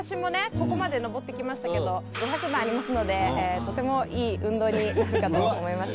ここまで登ってきましたけど５００段ありますのでとてもいい運動になるかと思います。